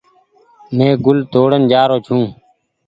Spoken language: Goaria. مين گل توڙين جآ رو ڇي۔